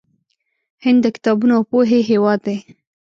هند د کتابونو او پوهې هیواد دی.